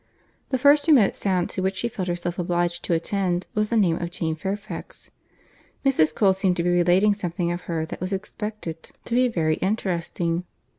The first remote sound to which she felt herself obliged to attend, was the name of Jane Fairfax. Mrs. Cole seemed to be relating something of her that was expected to be very interesting.